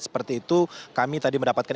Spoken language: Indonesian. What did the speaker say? seperti itu kami tadi mendapatkan